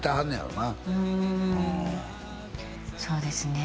うんそうですね